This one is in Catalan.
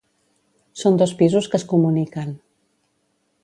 Són dos pisos que es comuniquen.